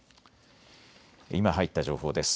今入った情報です。